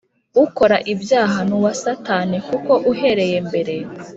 Ukora ibyaha ni uwa Satani kuko uhereye mbere